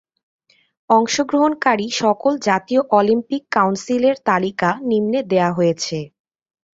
অংশগ্রহণকারী সকল জাতীয় অলিম্পিক কাউন্সিলের তালিকা নিম্নে দেয়া হয়েছে।